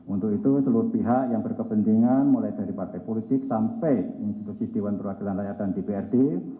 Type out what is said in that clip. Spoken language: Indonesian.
untuk itu seluruh pihak yang berkepentingan mulai dari partai politik sampai institusi dewan perwakilan rakyat dan dprd